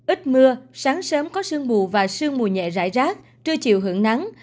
ít mưa sáng sớm có sương mù và sương mù nhẹ rải rác trưa chiều hưởng nắng